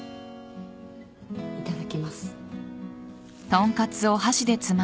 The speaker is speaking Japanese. いただきます。